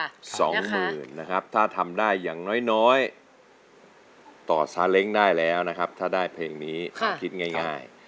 สองหมื่นนะครับถ้าทำได้อย่างน้อยน้อยต่อซาเล้งได้แล้วนะครับถ้าได้เพลงนี้คิดง่าย